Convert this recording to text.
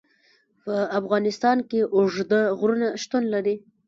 په افغانستان کې اوږده غرونه شتون لري.